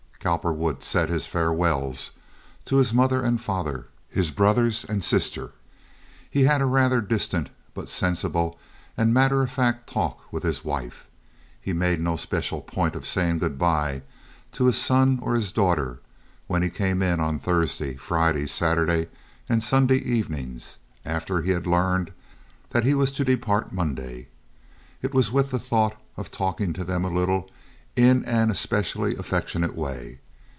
Cowperwood said his farewells to his mother and father, his brothers and sister. He had a rather distant but sensible and matter of fact talk with his wife. He made no special point of saying good by to his son or his daughter; when he came in on Thursday, Friday, Saturday, and Sunday evenings, after he had learned that he was to depart Monday, it was with the thought of talking to them a little in an especially affectionate way.